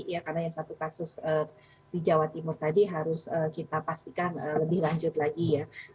karena yang satu kasus di jawa timur tadi harus kita pastikan lebih lanjut lagi ya